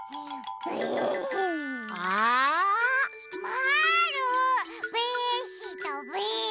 まぁるべしたべ。